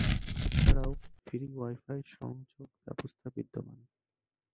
এছাড়াও, free wifi সংযোগ ব্যবস্থা বিদ্যমান।